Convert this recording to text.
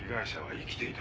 生きてた？